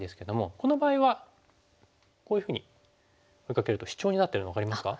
この場合はこういうふうに追いかけるとシチョウになってるの分かりますか？